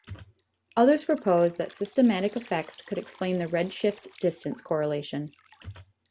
Others proposed that systematic effects could explain the redshift-distance correlation.